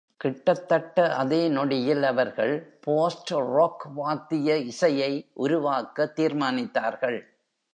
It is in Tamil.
கிட்டதட்ட அதே நொடியில் அவர்கள் Post-Rock வாத்திய இசையை உருவாக்க தீர்மானித்தார்கள்.